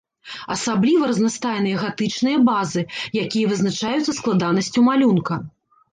Асабліва разнастайныя гатычныя базы, якія вызначаюцца складанасцю малюнка.